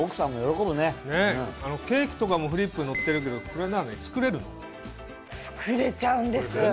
ケーキとかもフリップに載ってるけどこれ何作れるの？作れちゃうんです。